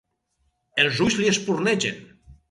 Els ulls li espurnegen.